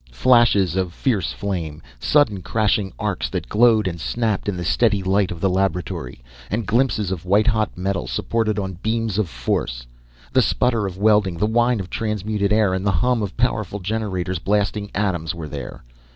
Flashes of fierce flame, sudden crashing arcs that glowed and snapped in the steady light of the laboratory, and glimpses of white hot metal supported on beams of force. The sputter of welding, the whine of transmuted air, and the hum of powerful generators, blasting atoms were there.